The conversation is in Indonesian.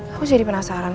aku jadi penasaran